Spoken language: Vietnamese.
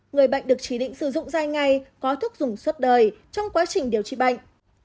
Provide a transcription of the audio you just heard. người bệnh được chỉ định sử dụng dài ngày có thuốc dùng suốt đời trong quá trình điều trị bệnh